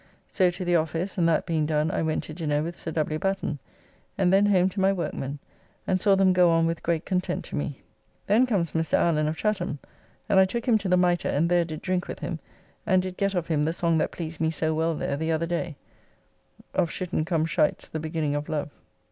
So to the office, and that being done I went to dinner with Sir W. Batten, and then home to my workmen, and saw them go on with great content to me. Then comes Mr. Allen of Chatham, and I took him to the Mitre and there did drink with him, and did get of him the song that pleased me so well there the other day, "Of Shitten come Shites the beginning of love."